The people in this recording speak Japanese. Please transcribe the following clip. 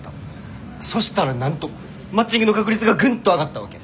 そしたらなんとマッチングの確率がグンと上がったわけ。